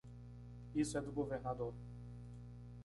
Isso é do governador.